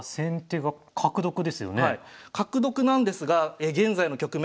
角得なんですが現在の局面